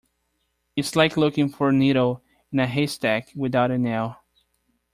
It's like looking for a needle in a haystack without a nail.